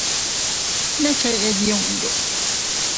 ¿Ne ched yundu?